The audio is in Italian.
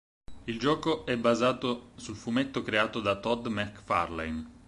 Il gioco è basato sul fumetto creato da Todd McFarlane.